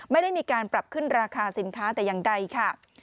ไม่ได้มีการปรับขึ้นราคาสินค้าแต่อย่างใดค่ะ